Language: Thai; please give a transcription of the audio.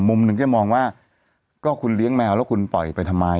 มุมหนึ่งก็มองว่าก็คุณเลี้ยงแมวแล้วคุณปล่อยไปทำไม